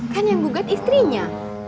kan yang gugat istrinya